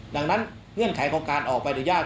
ดังนั้นเงื่อนไขของการออกไปหรือยาก